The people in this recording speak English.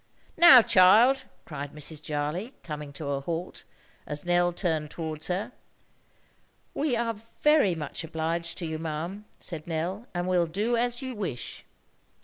"Now, child?" cried Mrs. Jarley, coming to a halt, as Nell turned towards her. "We are very much obliged to you, ma'am," said Nell, "and will do as you wish."